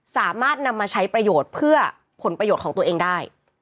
สามารถนำมาใช้ประโยชน์เพื่อผลประโยชน์ของตัวเองได้